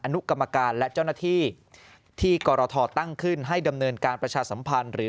นุกรรมการและเจ้าหน้าที่ที่กรทตั้งขึ้นให้ดำเนินการประชาสัมพันธ์หรือ